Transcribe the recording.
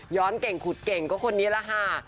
เก่งขุดเก่งก็คนนี้แหละค่ะ